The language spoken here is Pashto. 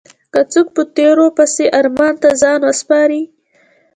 که څوک په تېرو پسې ارمان ته ځان وسپاري.